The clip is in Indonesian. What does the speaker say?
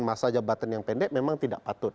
masa jabatan yang pendek memang tidak patut